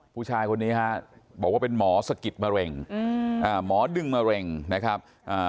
ผู้ชายคนนี้ฮะบอกว่าเป็นหมอสะกิดมะเร็งหมอดึงมะเร็งนะครับ